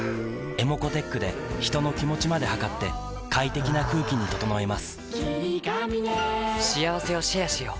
ｅｍｏｃｏーｔｅｃｈで人の気持ちまで測って快適な空気に整えます